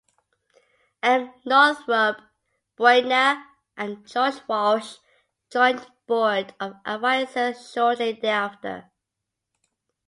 M. Northrup Buechner and George Walsh joined the board of advisors shortly thereafter.